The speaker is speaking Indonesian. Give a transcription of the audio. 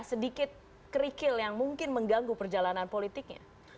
sedikit kerikil yang mungkin mengganggu perjalanan politiknya